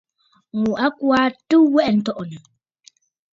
Ŋù a kwo aa tɨ̀ wɛʼɛ̀ ǹtɔ̀ʼɔ̀nə̀.